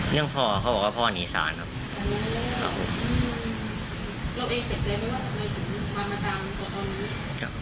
เนื่องพ่อเขาบอกว่าพ่อนีศาลครับเราเองแตกใจไหมว่าทำไมถึงมาตามตอนนี้